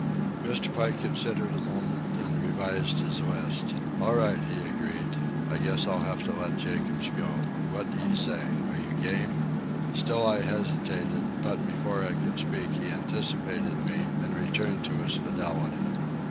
Mr. Pike considered a moment, and revised his list. "All right," he agreed, "I guess I'll have to let Jacobs go. What d'ye say? Are you game?" Still I hesitated, but before I could speak he anticipated me and returned to his fidelity.